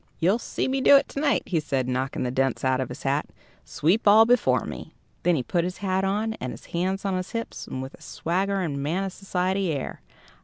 "You'll see me do it to night," he said, knocking the dents out of his hat "sweep all before me." Then he put his hat on, and his hands on his hips, with a swaggering, man of society air.